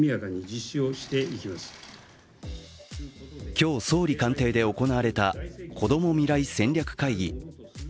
今日、総理官邸で行われたこども未来戦略会議。